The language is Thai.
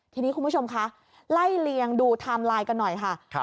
ทีนี้คุณผู้ชมคะไล่เลียงดูไทม์ไลน์กันหน่อยค่ะ